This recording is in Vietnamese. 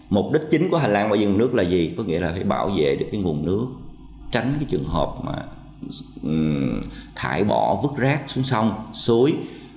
mục đích chính của hành lang bảo dựng nguồn nước là gì có nghĩa là phải bảo vệ được nguồn nước tránh trường hợp thải bỏ vứt rác xuống sông suối